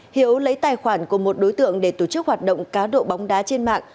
hiếu lấy tài khoản của một đối tượng để tổ chức hoạt động cá độ bóng đá trên mạng